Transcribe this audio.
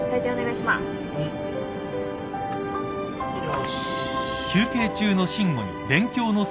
よし